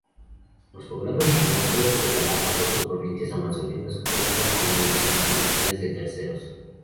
En poblados remotos de Galápagos o provincias amazónicas cuenta con enlaces satelitales de terceros.